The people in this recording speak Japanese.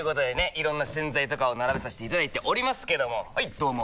いろんな洗剤とかを並べさせていただいておりますけどもはいどうも！